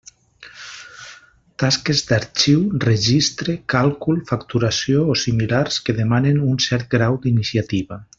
Tasques d'arxiu, registre, càlcul, facturació o similars que demanen un cert grau d'iniciativa.